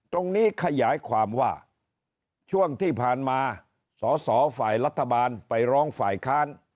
ขยายความว่าช่วงที่ผ่านมาสอสอฝ่ายรัฐบาลไปร้องฝ่ายค้าน